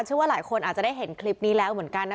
เชื่อว่าหลายคนอาจจะได้เห็นคลิปนี้แล้วเหมือนกันนะ